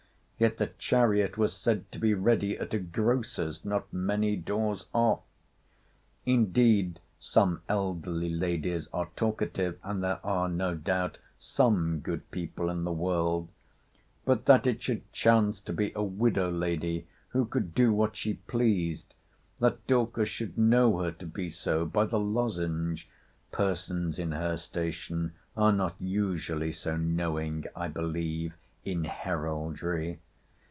Yet the chariot was said to be ready at a grocer's not many doors off! 'Indeed some elderly ladies are talkative: and there are, no doubt, some good people in the world.—— 'But that it should chance to be a widow lady, who could do what she pleased! That Dorcas should know her to be so by the lozenge! Persons in her station are not usually so knowing, I believe, in heraldry.